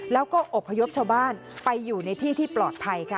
แล้วก็อบพยพชาวบ้านไปอยู่ในที่ที่ปลอดภัยค่ะ